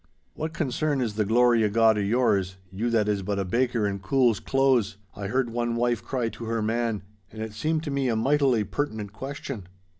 'What concern is the glory o' God o' yours—you that is but a baker in Coul's Close?' I heard one wife cry to her man, and it seemed to me a mightily pertinent question.